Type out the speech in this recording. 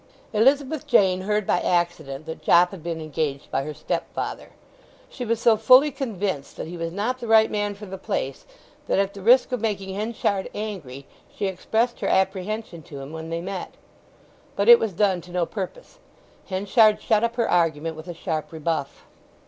Elizabeth Jane heard by accident that Jopp had been engaged by her stepfather. She was so fully convinced that he was not the right man for the place that, at the risk of making Henchard angry, she expressed her apprehension to him when they met. But it was done to no purpose. Henchard shut up her argument with a sharp rebuff.